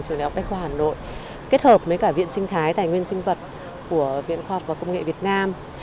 trường đại học bách khoa hà nội kết hợp với viện sinh thái tài nguyên sinh vật của viện khoa công nghệ việt nam